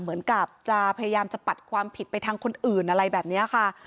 เหมือนกับจะพยายามจะปัดความผิดไปทางคนอื่นอะไรแบบนี้ค่ะ